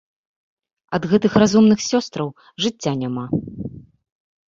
Ад гэтых разумных сёстраў жыцця няма.